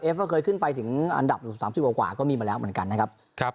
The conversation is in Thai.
ก็เคยขึ้นไปถึงอันดับอยู่๓๐กว่าก็มีมาแล้วเหมือนกันนะครับ